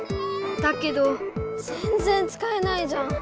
だけどぜんぜんつかえないじゃん！